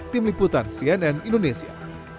tim liputan cnn indonesia